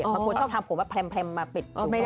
มันก็คือชอบทำผมแพมมาปิดปึ๊ม